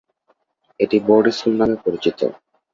এটি board school নামেও পরিচিত।